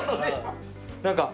何か。